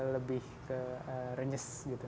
lebih renyes gitu